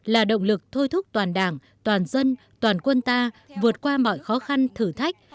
là động lực thôi thúc toàn đảng toàn dân toàn quân ta vượt qua mọi khó khăn thử thách